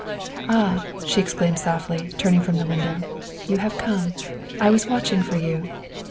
"Ah," she exclaimed softly, turning from the window, '' you have come. I was watching for you.